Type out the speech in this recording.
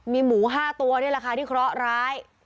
มีหมู๕ตัวนี่แหละค่ะที่เคราะห์ร้าย